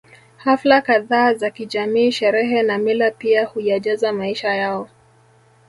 Hafla kadhaa za kijamii sherehe na mila pia huyajaza maisha yao